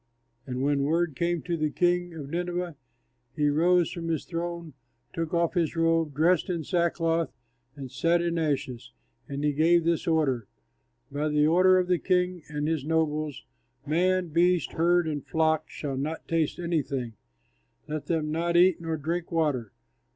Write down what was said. And when word came to the king of Nineveh, he rose from his throne, took off his robe, dressed in sackcloth, and sat in ashes. And he gave this order: "By the order of the king and his nobles: Man, beast, herd, and flock shall not taste anything; let them not eat nor drink water.